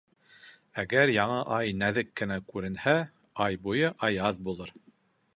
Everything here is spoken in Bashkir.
Әгәр яңы ай нәҙек кенә күренһә, ай буйы аяҙ булыр.